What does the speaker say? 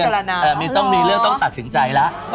ต้องมีเรื่องต้องตัดสินใจแล้ว